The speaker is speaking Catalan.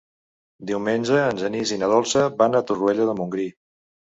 Diumenge en Genís i na Dolça van a Torroella de Montgrí.